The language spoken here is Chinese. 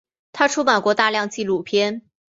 他出版过大量纪录片。